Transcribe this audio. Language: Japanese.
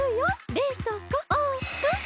冷凍庫オープン！